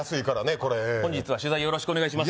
これ本日は取材よろしくお願いします